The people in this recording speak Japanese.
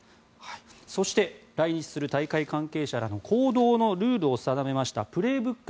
そして、来日する大会関係者らの行動をルールを定めました「プレーブック」